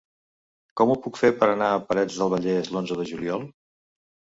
Com ho puc fer per anar a Parets del Vallès l'onze de juliol?